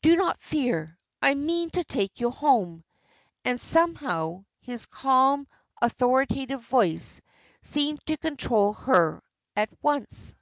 "Do not fear. I mean to take you home." And, somehow, his calm, authoritative voice seemed to control her at once.